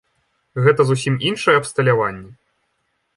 Гэта зусім іншае абсталяванне.